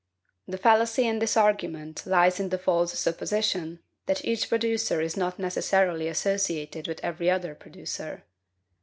The fallacy in this argument lies in the false supposition, that each producer is not necessarily associated with every other producer.